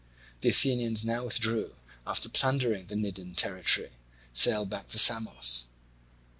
The Athenians now withdrew, and after plundering the Cnidian territory sailed back to Samos.